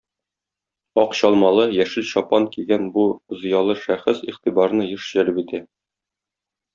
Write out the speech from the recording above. Ак чалмалы, яшел чапан кигән бу зыялы шәхес игътибарны еш җәлеп итә.